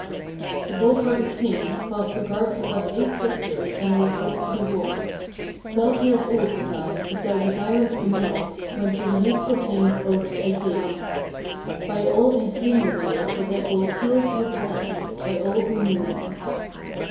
6. The bold hearted king caused the garbs of us eight sisters under an oak to be borne. Twelve years old was I, if thou desirest to know, when to the youthful king oaths I gave. 7. By all in Hlymdalir I was called Hild with the helm, by all who knew me.